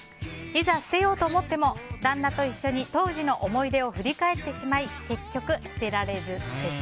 いざ捨てようと思っても旦那と一緒に当時の思い出を振り返ってしまい結局捨てられずです。